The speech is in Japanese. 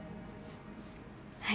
はい。